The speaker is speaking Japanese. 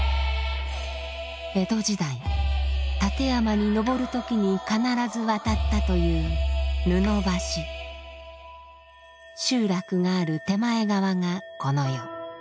江戸時代立山に登る時に必ず渡ったという集落がある手前側がこの世。